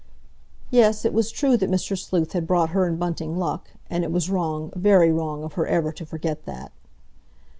Yes, it was true that Mr. Sleuth had brought her and Bunting luck, and it was wrong, very wrong, of her ever to forget that.